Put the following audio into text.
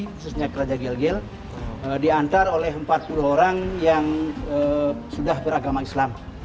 khususnya kerajaan gel gel diantar oleh empat puluh orang yang sudah beragama islam